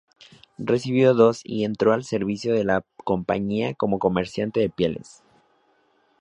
Recibió dos y entró al servicio de la Compañía como comerciante de pieles.